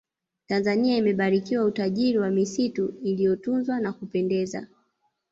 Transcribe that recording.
tanzania imebarikiwa utajiri wa misitu iliyotunzwa ya kupendeza